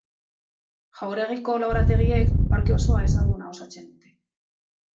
Jauregiko lorategiek parke oso ezaguna osatzen dute.